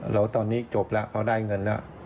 แล้วตอนนี้จบแล้วเขาได้เงินแล้ว